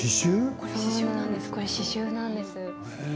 これは刺しゅうなんです。